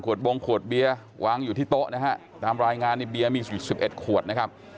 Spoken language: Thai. บงขวดเบียร์วางอยู่ที่โต๊ะนะฮะตามรายงานในเบียร์มีอยู่สิบเอ็ดขวดนะครับ